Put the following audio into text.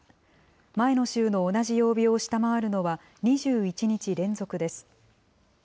前の週の同じ曜日を下回るのは２１日連続です。